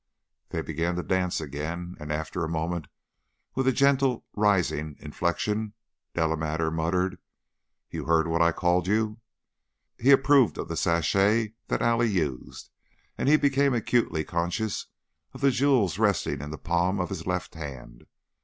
They began to dance again, and, after a moment, with a gently rising inflection, Delamater murmured, "You heard what I called you?" He approved of the sachet that Allie used, and he became acutely conscious of the jewels resting in the palm of his left hand.